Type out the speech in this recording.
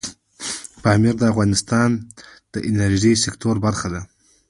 پامیر د افغانستان د انرژۍ سکتور برخه ده.